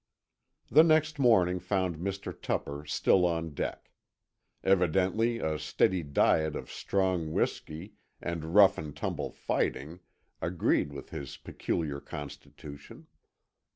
The next morning found Mr. Tupper still on deck. Evidently a steady diet of strong whisky and rough and tumble fighting agreed with his peculiar constitution.